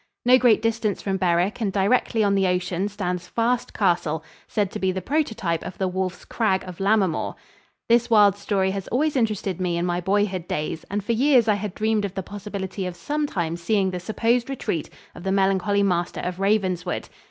No great distance from Berwick and directly on the ocean stands Fast Castle, said to be the prototype of the Wolf's Crag of "Lammermoor." This wild story had always interested me in my boyhood days and for years I had dreamed of the possibility of some time seeing the supposed retreat of the melancholy Master of Ravenswood.